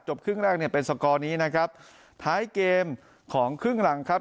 ครึ่งแรกเนี่ยเป็นสกอร์นี้นะครับท้ายเกมของครึ่งหลังครับ